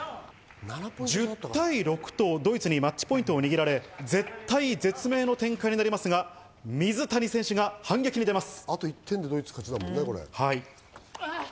１０対６とドイツにマッチポイントを握られ、絶体絶命の展開になりますが、水谷選手が反撃に出ます。